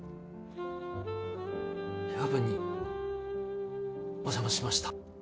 夜分にお邪魔しました。